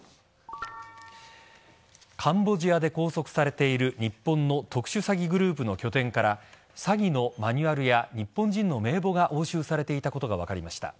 カンボジアで拘束されている日本の特殊詐欺グループの拠点から詐欺のマニュアルや日本人の名簿が押収されていたことが分かりました。